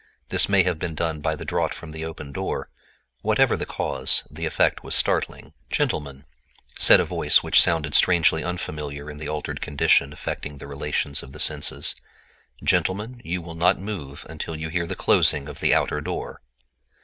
This may have been done by a draught from the opened door; whatever the cause, the effect was startling. "Gentlemen," said a voice which sounded strangely unfamiliar in the altered condition affecting the relations of the senses—"gentlemen, you will not move until you hear the closing of the outer door."